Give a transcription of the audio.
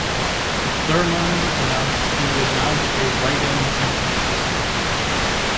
Thurmond announced he would mount a write-in campaign.